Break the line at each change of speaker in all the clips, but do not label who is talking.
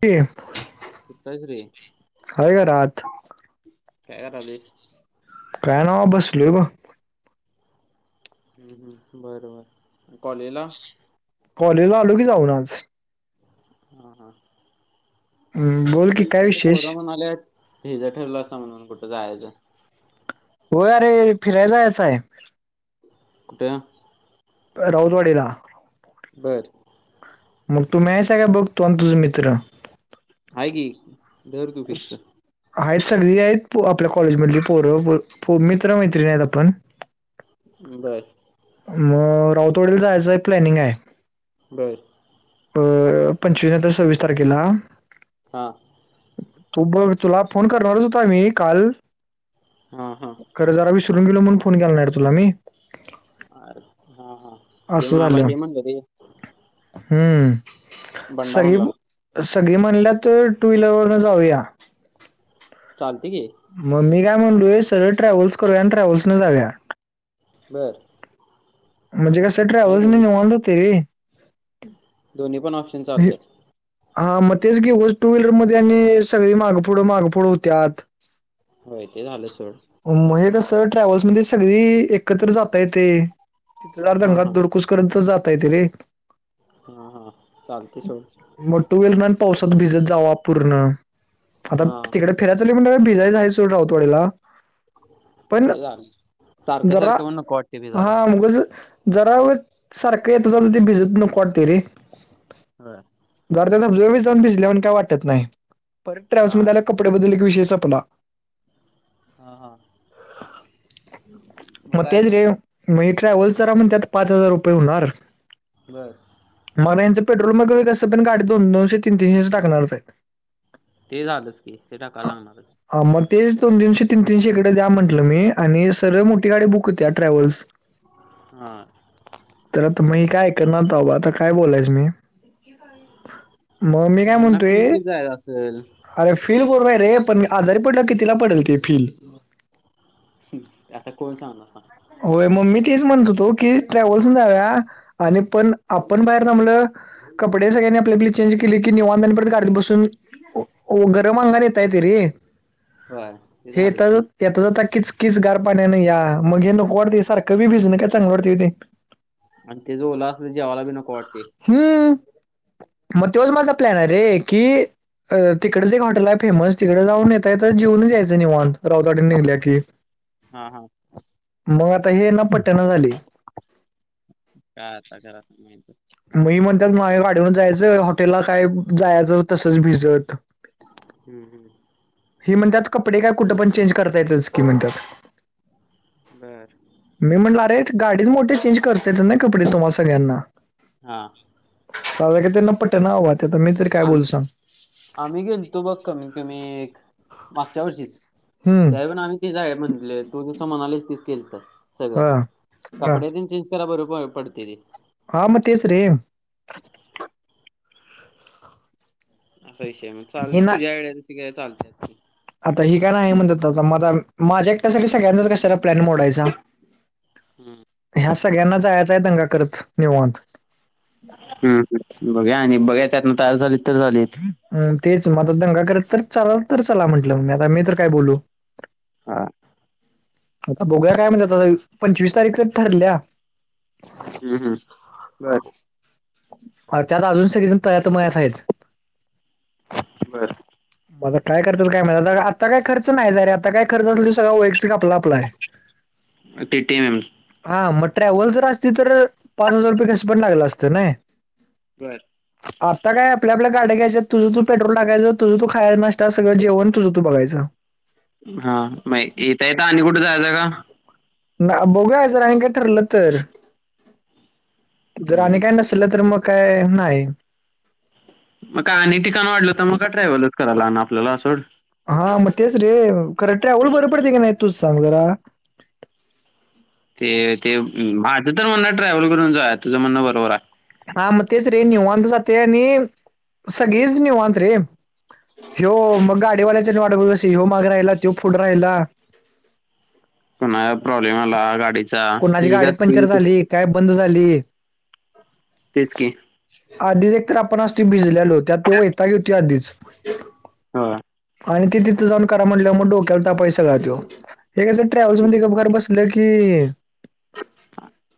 ते
कुठं आहेस रे?
हाय घरात.
काय करायलोस?
काय नवा बसलोय ब.
बरं बरं कॉलेजला
कॉलेजला आलो की जाऊन आज.
हा हा.
हम्म बोल की काय विशेष?
माले हिजा ठरलं असं म्हणून कुठं जायचं?
होय अरे फिरायला जायचं आहे.
कुठं
राऊतवाडीला.
बरं.
मग तू मिळायचा काय बघ तोन तुझं मित्र?
हाय की धर तू फिक्स.
आहेत सगळी आहेत पो आपल्या कॉलेजमधली पोरं फो मित्र मैत्रिणी आहेत आपण. [inaudible]
बरं.
म राऊतोडीला जायचं प्लॅनिंग आहे.
बरं.
अ पंचवीनंतर नायतर सव्वीस तारखेला.
हा.
तू ब तुला फोन करणारच होता आम्ही काल.
हा हा.
खरं जरा विशरून गेलो म्हणून फोन केला नाही रे तुला मी.
अरे हा हा.
असं झाल हम्म
बंडा म्हणला
सगळी सगळी म्हणल्या तर टू व्हीलर वरनं जाऊया.
चालतय की.
मग मी काय म्हणतोय सगळ ट्रॅव्हल्स करूया आणि ट्रॅव्हल्स न जाऊया.
बरं.
म्हणजे कसं ट्रॅव्हलसनी
दोन्ही
निवानं होते रे.
दोन्हीपन ऑप्शन
हे-
चालतयस.
हा मग तेच की वई टू व्हीलरमध्ये आणि सगळी मागपुड मागपुड होत्यात.
होय ते झालं सोड.
म हे कसं ट्रॅव्हल्समध्ये सगळी एकत्र जाता येते, तिथल
हां
दंगा
हां
दुडकूस कडे जातं येते रे.
हा हा चालते सोड
मग टू व्हीलरन पावसात भिजत जावा पूर्ण आता
हां
तिकडे... फियचाली म्हणला भिजयचं आहे स रावतवाडीला. पण
ते झालं सारखं
जरा
सारखं पण नको वाटते भिजाला
हा मगच. जरा व सारखं येतं ज ते भिजत नको वाटते रे.
ह.
गाडग जाऊन भिसल्या वान काय वाटत नाही पर ट्रवेव्हल्स
हां
मध्ये... कपडे बदलले कि विशेष संपला.
हां हां मग
मत
काय
तेच रे. मग ट्रॅव्हल जरा मणत्यात पाच हजार रुपये होणार.
बर.
मला यांच पेट्रोल मग स पण गाडी दो दोनशे तीन तनशे टाकणारच आहे.
ते झालंच की ते टाका लागणारच
मग तेच दोन तीनशे तीन तीनशे इकडे द्या म्हंटलं मी आणि सर्ळ मोठी गाडी बुक होती ट्रॅव्हल्स
हा.
तर आता मग काय करणार आबा आता काय बोलायचं मी. मग मी
ते
काय
ह्यांना फील
म्हणतोय.
की जायचं असेल
अरे फील बरोबन नाही रे पण आजारी पडला कितीला ती फील.
आता कोण सांगला
होय मम्मी तेच म्हणतो तो की ट्रॅव्हल्स जाव्या आणि पण आपण बाहेर थबलं कपडे सगळ्यांनी आपल्या आपली चेंज केली की निवांधपत घत बसून गरम अंगन इेतयेत ररी
होय ते
हेता
झालंच की
येता जात किच किच गार पाण्या नाही या मग नको ढडती सर की बीझ न काय चां डती त ते
आणि ते जो ओला असला ते जेवायला बी नको वाटते
हम्म मग तेवच माझा प्लॅन आहे रे की अ तिकडच एक हॉटल आहे फेमस तिकडें जाऊन येतय तर जेऊनच यायचं निवाण राऊतड निघल्या की
हा हा
मग आता हे ना पट्यान झाली
काय आता घरा माहित
मी म्हणतात माझ्या गाडीवर जायचं हॉटेलला काय जायचं तसंच भिजत
हम्म हम्म
हे म्हणतात कपडे काय कुठं पण चेंज करता येतच की म्हणतात
बर
मी म्हटलं अरे गाडीत मोठे चेंज करते येत ना कपडे तुम्हाला सगळ्यांना
हा
चा का त्यांना पटन हव त्याता मी काय बोलू
आम्ही
सांग
आम्ही गेल तू बघ कमी कमी एक मागच्या वर्षीच
हम्म
त्या पण आम्ही ते जा आहे म्हटले तू जसं म्हणालेस तीच खलत सगळं
हा, हा
कपड्या त चेंज करा बर पडते ती
हा मस रे
असा विषय मग
हे
चालते
ना
तुझ्या वेडे त काय चालते
आता हे काय नाही म्हणतात आता मझ माझ्या एकट्यासाठी सगळ्यांनाच कशाला प्लॅन मोडायचा
हम्म
ह्या सगळ्यांना जायचा आहे अंगा करत निवत
हम बघा आणि बघा त्यातना तयार झालीत तर झाले
तेच मझ दंगा करत तर चला तर चला म्हटलं म्हग आता मी तर काय बोलू
हा
आता बोग काय म्हणतात आ पंचवीस तारीख तर ठरल्या
हम्म हम्म ब
ह त्यात अजून सगळेजण तळ्या मयात आहेत.
बरं.
ब काय खर्चाचं काय म्हणत आता काय खर्च नाही रे आता काय खर्च असल सगळं वैयक्तिक आपला. अप्लाय.
ती टीम एम.
हा मग ट्रॅव्हल जर असतीतर पाच हजार रुपये कस पण लागलं असतं नाही.
बरं.
[inaudible] आता काय आपल्या गाड्यायच आहेत तुझ तू पेट्रोल टायच तझ तू खाय नसत सगळं जेण तुझं तू बघाचं.
हा माहिती येत आणि कुठे जायचं का.
ना बघूया जरा आणि काय ठरलं तर जरा
हम्म.
काय नस. तुला तर मग काय नाही.
मग का आणि ठिकाण वाढलं तर मग का ट्रॅव्हलच करायला आपल्याला सोड.
हा मग तेच रे खरं ट्रॅव्हल बर पडते की नाही तूच सांग जरा.
ते ते माझं तर म्हणण ट्रॅव्हल करून जो आहे तुझं म्हणणं बरोबर आहे.
हा म तेस रे निवांत जात आणि सगीज निवंत र्री. ह्य मग गाडीवाल्याचा वाढवस हो माग राहिला तो फ पुढ राहिला.
कोणा प्रॉब्लेम आला गाडी.
कोणाची गाडी पंचर झाली काय बंद झाली.
तेच की.
आधीच एक तर आपण असतो भिजलेलोत ते वैतागे येतोय आधीच.
हो का.
आणि ते तिथं जाऊन करा म्हटलं मग डोक्याला ताप आहे सगळं त्यो हे कस ट्रॅव्हल्स मध्ये गप गार बसला की. की.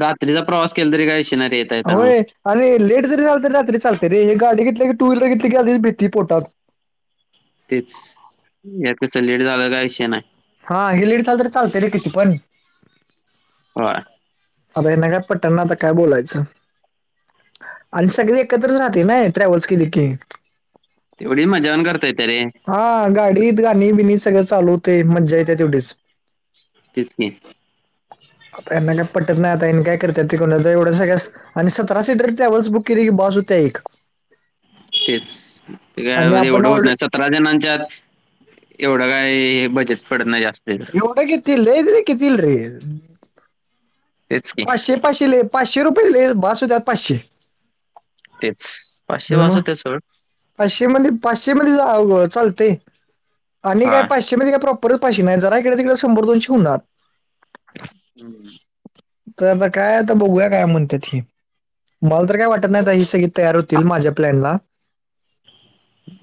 रात्रीचा प्रवास केला तरी काय विशय नाही रे येत यता.
होय आणि लेट जरी झालं तरी रात्री चालते र हे गाडी घेतली टू व्हीलर घेतली की आधीच भीती पोटात.
तेच यात कसं लेट झालं का विषय नाही.
हा हे लेट झाल तर चालते रे किती पण.
होय.
या नगात पटणना आता काय बोलायचं. आणि सगळे एकत्रच राहते ना ट्रॅव्हल्स केले की.
तेवढी मजा पण करता येत रे.
हा गाडी गाणी बिणी सगळं चालू होते मजा येते तेवढीच.
तेच की.
आता यांना काय पटत नाही आता ह्यांना काय करत्यात ते करुदेत एवढं सगळ्याच. आणि सतरा सीटर ट्रॅव्हल्स बुक केली की बस होत्या एक.
तेच ते
आणि
काय
आपण
एवढं होत नाही
ऑलरेडी
सतरा. अठरा जणांच्यात एवढं काय हे बजट पडत नाही जास्त. त्याचं.
एवड घेतील्ल लईच रे कितील रे.
तेच की
पाचशे पाचशेले पाचशे रुपयेले भास होत्यात पाचशे.
तेच पाचशे बास
मग
होतेत सोड.
पाचशे मध्ये पाचशे मध्ये आ व चालते आणि काय
हा
पाचशे मध्ये काय प्रॉप परत पाचशी नाही जरा इकडे तिकडे शंभर दोनशें होणार.
हम्म.
तर आता काय आता बघूया काय म्हणतेत ही. मला तर काय वाटत नाही आ ह सगळी तयार होतील माझ्या प्लॅन ला.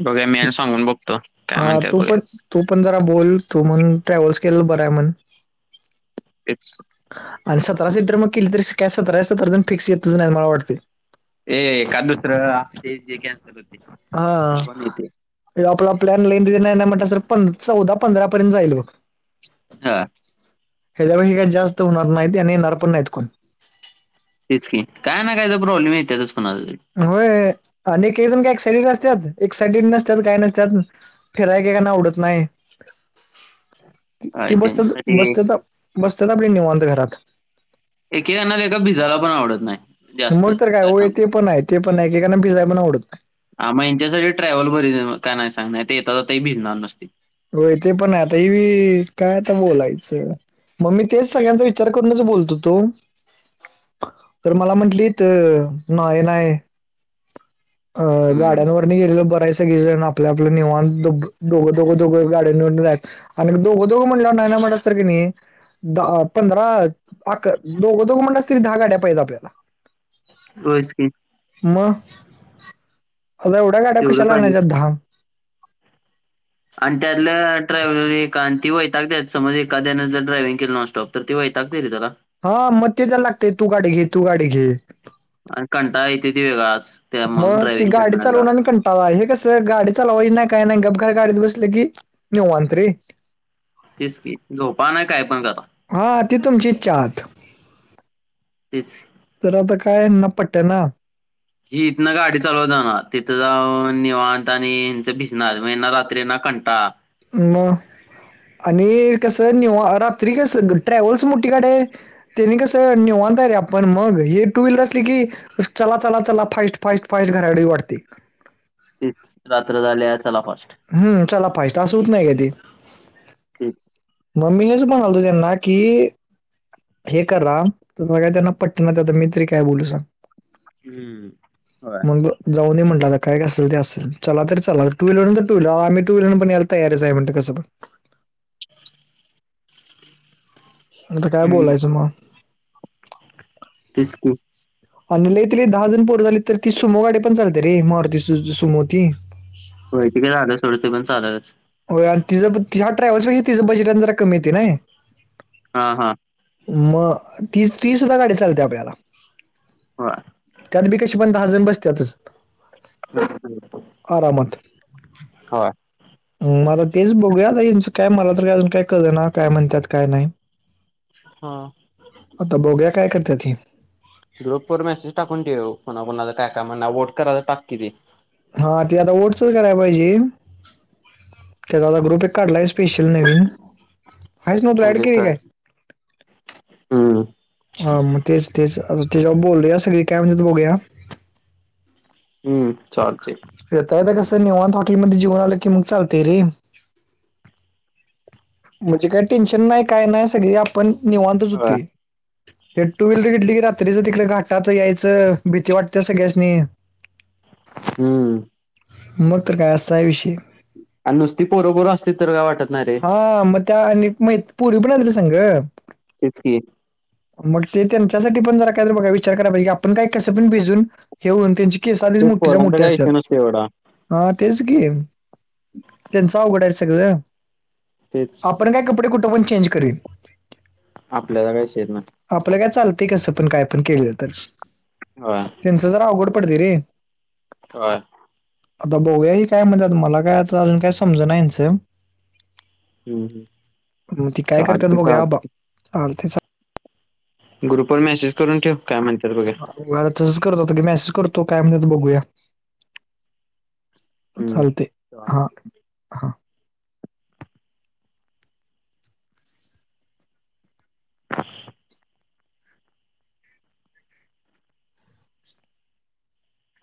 बघा मी आणि सांगून बघतो काय
हा
म्हणते
तू
बघय.
पण तू पण जरा बोल तू मग ट्रॅव्हल्स केलं बरय म्हण.
एक्स.
आणि सतरा सीटर मग केली तरी सतरा जण फिक्स येतच नाही मला वाटतेय.
ये काण दुसरं असतय जे, कॅन्सल होते
हा
पण येते.
आपला प्लॅन लईन नाही म्हटलं, तर चौदा पंधरा पर्यंत जाईल बग.
हा.
हेच्यापेक्षा काही जास्त होणार नाहीत, आणि येणार पण नाहीत कोण.
तेच की, काय ना काय तर प्रॉब्लेम येत्यातच कोणाच तरी.
होय. आणि एकेक जण काय एक्साइडड असत्यात. एक साइडेड नसतात काय नसत्यात. फिराय एकेकाना आवडत नाही,
काय
ती बसत
त्यांच्यासाठी
बसत्यात. बसत्यात आपली निवांत घरात.
एकेकाना तर भिजायला पण आवडत नाही. जास्त
मग तर काय होय
सांगू
ते पण आहे, ते पण आहे एकेकाना त्यांना भिजायला पण आवडत नाही.
हां.. मग हेच्यासाठी ट्रॅव्हल बरी का नाही सांग, नाही तर येता जाता भिजणार नुसती.
होय, ते पण हाय आता ही, काय आता बोलायचं. मग मी तेच सगळ्यांचा विचार करूनच बोलत होतो. तर मला म्हंटलीत नाही नाही.
हम्म
गाड्यान वरन गेलेले बरं. काय सगळीजण आपल्या, आपलं निवांत दोघं दोघ दोघं गाड्यांवरण जायचं. आणि दोघं- दोघं म्हटलं नाही नाही म्हटलास तरी कणी. दहा पंधरा अकरा दोघ दोघं म्हणलास, तरी दहा गाड्या पाहिजे आपल्याला.
होयचं की,
मग. आता एवढ्या गाड्या
तेवढं
कशाला
पाहिजे
आणायच्यात दहा.
आणि त्यातल्याड्रायव्हर आणि ती वैतागत्यात, समज एखाद्यान जर ड्रायव्हिंग केल नॉनस्टॉप. तर ते वैतागते जरा.
हा मग ते त्याला लागतेय, तू गाडी घे तू गाडी घे.
आणि कंटाळा येते तो वेगळाच. त्या
मग ती
ड्रायव्हिंग
गाडी
करणाऱ्याला
चालवणार आणि कंट टाळ, हे कसं गाडी चालवायची नाही काय नाही, गप घार गाडीत बसले की निवांत रे. [inaudible]
तेचं की झोपा नी, काय पण करा.
हां ती तुमची इच्छा.
तेच.
तर आता काय हेना पटना.
हि इथनं गाडी चालवत जाणार, तिथं जाऊन निवांत आणि हेच भिजणार, मग हेना रात्री हेना कंटाळा.
मग. आणि कसं निवांत रात्री कसं, ट्रॅव्हल्स मोठी गाडी ये. त्यानी कसं निेवांत रे आपण, मग हे टू व्हीलर असले की, चला चला चला, फाईस्ट फाईस्ट फाईस्ट घराकडं येऊ वाटते.
तेचं रात्र झाल्या चला फास्ट.
हम. चला फास्ट असं होत नाही का ते?
हम.
मग मी हेच म्हणालतो त्यांना की, हे करा. तुम्हाला काय त्यांना पट्टना, आता तर मी तरी काय बोलू सांग.
हम्म होय
मग जाऊन ये म्हणलं. काय का असल ते असल चला तरी चला. टू व्हीलर टू व्हीलर अहो आम्ही, टू् व्हीलरन पण यायला तयारच आहे म्हणंल कसं पण. आता काय
हम्म
बोलायचं मग.
तेच की,
आणि लई त दहा जण पोरं झाली तर ती, सुमो गाडी पण चालते रे मारूती सुमो ती.
होय, काय झालं सोडं ते, पण चालंल चं.
होय, आणि तिचं बजे ह्या ट्रॉयव्हस पेक्षा तेचं बजेट कमी येत नाही.
हा. हा.
मग ती ती सुद्धा गाडी चालत्या आपल्याला
हो
त्यात बी कशी पण दहा जण बसतातच
हम
आरामात
हो
मला तेच बघूयाच काय मला तरी अजून काय कर ना काय म्हणतात काय नाही
हा
आता बोग्या काय करते ती
ग्रुप वर मेसेज टाकून ठ को कोणां काय काय म्ह वोट करां टाकी
हा ते आता ओटचल कराय पाहिजे ते दादा ग्रुप एक घरला आहे स्पेशल नवीन आहेच नव्हतं ऍड
दे
केली
काा
काय
हम्म
हा मग तेच तेच तेच्या बोललू या सगळी काय म्हण बघूया
हम्म चालते
येता येता कसं निवांत हॉटेलमध्ये जेऊन आलं की मग चालतय रे.. म्हणजे काय टेन्शन नाही काय नाही सगळे आपण निवांतच होते हे टू व्हीलर घेतली की रात्रीच तिकडे घाटात यायचं भीती वाटते सगळ्या्यांनी
हम्म
मग तर काय असाय विषय
आणि नुसती पोर पोर असती तर काय वाटत नाही रे
हा मग त्या आणि मग पुरी पण आली संांग
तसकी
मग ते त्यांच्यासाठी पण जरा काय तर बघा विचार करा आपण काय कसं पण भिजून हेऊन त्यांचे केस आधीच
तेच
मोठठेच्या
पोरांचा
मोठ्या
काय विषय
असतात
नसतोय एवढा
हा तेच की त्यांचं उवघडायला सगळ
तेच
आपण काय कपडे कुठं पण चेंज करेल
आपल्याला काय शेत नाही
आपलं काय चालतय कसं पण काय पण केलं तर
ह
त्यांचं जरा अवघड पडते रे
ह
आता बघूया काय म्हणतात मला काय आता अजून काय समज नाहीचं
हम्म
ग ते काय करतात
चालतंय चालतंय
बघ्याबालते
ग्रुप वर मेसेज करून ठेव काय म्हणतात बघ
हो तसच करत होता की मेसेज करतो काय म्हणत बघूया
हम्म
चालते
चालतंय
हा हा